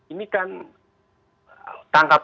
ini kan tangkap